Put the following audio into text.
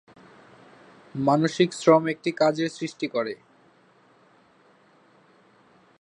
মানসিক শ্রম একটি কাজের সৃষ্টি করে।